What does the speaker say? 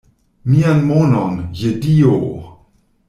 Mian monon, je Dio!